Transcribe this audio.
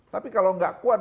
tapi kalau enggak kuat